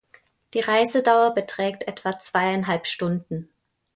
Die Reisedauer beträgt etwa zweieinhalb Stunden.